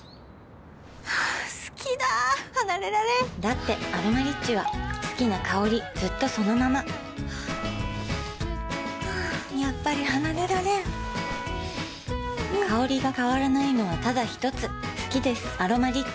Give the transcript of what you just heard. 好きだ離れられんだって「アロマリッチ」は好きな香りずっとそのままやっぱり離れられん香りが変わらないのはただひとつ好きです「アロマリッチ」